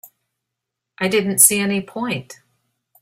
I didn't see any point.